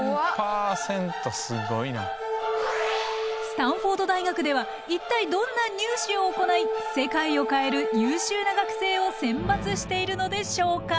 スタンフォード大学では一体どんなニュー試を行い世界を変える優秀な学生を選抜しているのでしょうか？